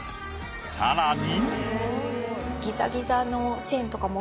さらに。